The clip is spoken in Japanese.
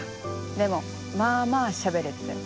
でもまあまあしゃべれてたよ。